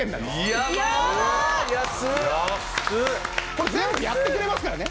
これ全部やってくれますからね。